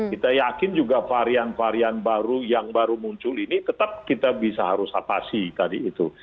kita yakin juga varian varian baru yang baru muncul ini tetap kita bisa harus apasi tadi itu